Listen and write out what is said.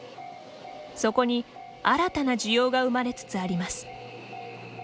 そこに新たな需要が生まれつつあります。